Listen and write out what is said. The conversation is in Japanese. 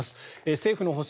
政府の方針